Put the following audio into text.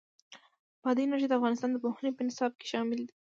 بادي انرژي د افغانستان د پوهنې په نصاب کې شامل ده.